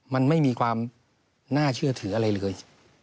มันไม่มีความน่าเชื่อถืออะไรเลย